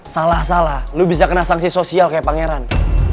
salah salah lo bisa kena sanksi sosial kayak pangeran